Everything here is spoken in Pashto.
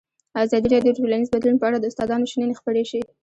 ازادي راډیو د ټولنیز بدلون په اړه د استادانو شننې خپرې کړي.